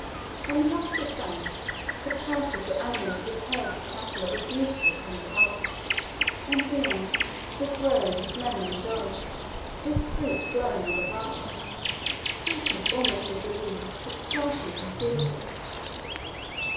On the opposite banks, the pastures were animated with herds of cattle of a beautiful cream colour; and, beyond, were groves of lemon and orange, with fruit glowing on the branches, frequent almost as the leaves, which partly concealed it.